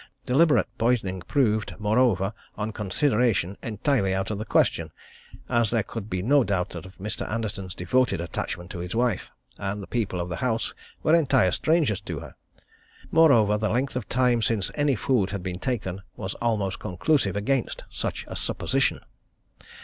Deliberate poisoning proved, moreover, on consideration, entirely out of the question, as there could be no doubt of Mr. Anderton's devoted attachment to his wife, and the people of the house were entire strangers to her. Moreover, the length of time since any food had been taken was almost conclusive against such a supposition.